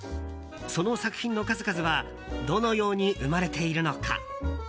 その作品の数々はどのように生まれているのか。